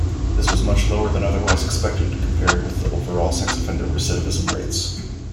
This was much lower than otherwise expected, compared with overall sex offender recidivism rates.